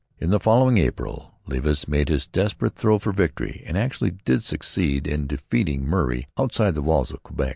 In the following April Levis made his desperate throw for victory; and actually did succeed in defeating Murray outside the walls of Quebec.